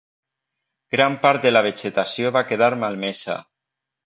Gran part de la vegetació va quedar malmesa.